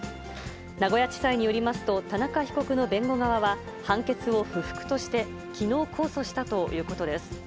名古屋地裁によりますと、田中被告の弁護側は、判決を不服として、きのう控訴したということです。